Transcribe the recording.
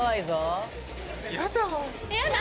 嫌だ。